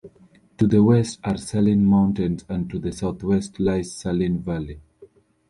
To the west are the Saline Mountains, and to the southwest lies Saline Valley.